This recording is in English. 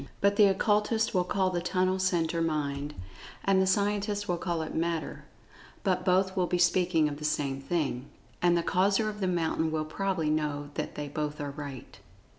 But the Occultists will call the tunnel centre Mind, and the scientists will call it Matter, but both will be speaking of the same thing. And the Causer of the mountain will probably know that they both are right.